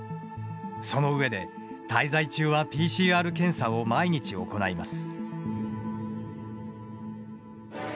その上で滞在中はＰＣＲ検査を毎日行います。